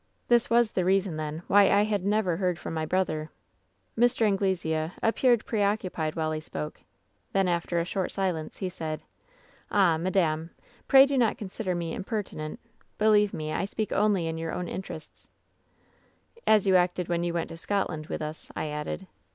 "This was the reason, then, why I had never heard from my brother. "Mr. Anglesea appeared preoccupied while he spoke. Then, after a short silence, he said: WHEN SHADOWS DIE 179 " ^Ah, madame, pray do not consider me impertinent. Believe me, I speai only in your own interests ^" 'As you acted when you went to Scotland with us/ I added.